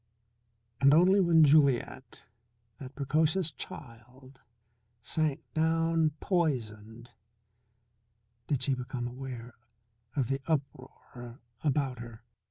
And only when Juliet, that precocious child, sank down poisoned did she become aware of the uproar about her.